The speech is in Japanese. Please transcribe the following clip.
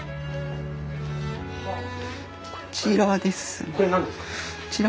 こちらですね。